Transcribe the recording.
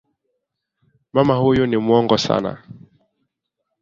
Mama huyu ni muongo sana